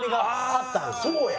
そうや！